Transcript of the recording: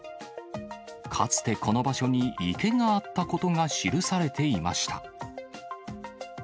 かつてこの場所に池があったことが記されていました。